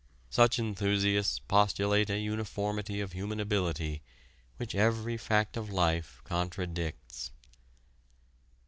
Such enthusiasts postulate a uniformity of human ability which every fact of life contradicts.